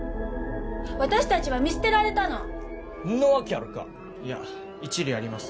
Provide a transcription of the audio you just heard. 私達は見捨てられたのんなわけあるかいや一理あります